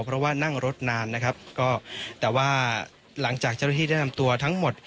เพราะว่านั่งรถนานนะครับก็แต่ว่าหลังจากเจ้าหน้าที่ได้นำตัวทั้งหมด